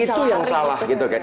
itu yang salah gitu kan